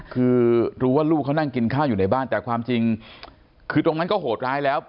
คือรู้ว่าลูกเขานั่งกินข้าวอยู่ในบ้านแต่ความจริงคือตรงนั้นก็โหดร้ายแล้ว